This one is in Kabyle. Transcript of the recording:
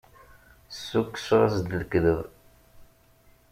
Ssukkseɣ-as-d lekdeb.